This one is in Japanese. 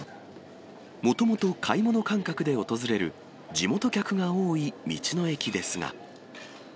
もともと買い物感覚で訪れる地元客が多い道の駅ですが。